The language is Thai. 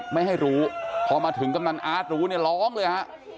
ไม่ให้รู้พอมาถึงกำนันอาร์ตรู้เนี่ยร้องเลยฮะ